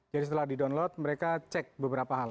jadi setelah di download mereka cek beberapa hal